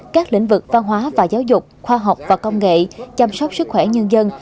các lĩnh vực văn hóa và giáo dục khoa học và công nghệ chăm sóc sức khỏe nhân dân